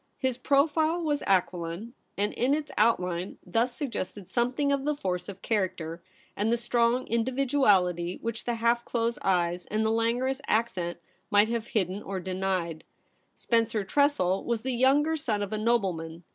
His profile was aquiline, and in its 122 THE REBEL ROSE. outline thus suggested something of the force of character and the strong individuality which the half closed eyes and the languorous accent might have hidden or denied. Spencer Tressel was the younger son of a nobleman.